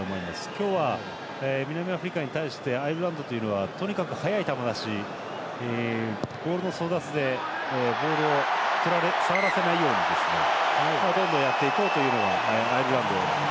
今日は南アフリカに対してアイルランドというのはとにかく速い球出しボールの争奪でボールを触らせないようにどんどん、やっていこうというのがアイルランド。